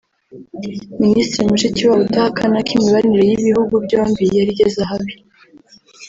Minisitiri Mushikiwabo udahakana ko imibanire y’ibihugu byombi yari igeze ahabi